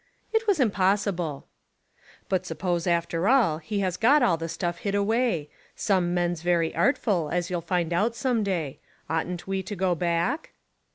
"It was impossible." "But suppose, after all, he has got all the stuff hid away. Some men's very artful, as you'll find out some day. Oughtn't we to go back?"